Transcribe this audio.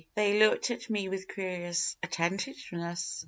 They looked at me with curious attentiveness.